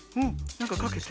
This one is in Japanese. なんかかけて？